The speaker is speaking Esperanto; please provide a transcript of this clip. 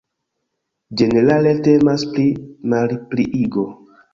Ĝenerale temas pri malpliigo.